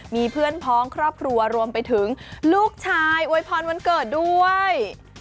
มีเพื่อนพ้องครอบครัวรวมไปถึงลูกชายอวยพรวันเกิดด้วย